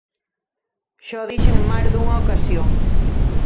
Xa o dixen en máis dunha ocasión.